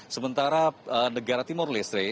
sementara negara timur listri